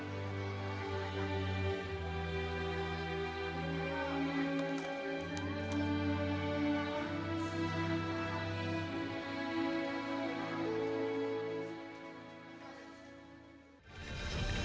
satu seputar dari bekommen makhluk lebih luas tradisional juga selamatkan kakek itu